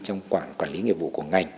trong quản lý nghiệp vụ của ngành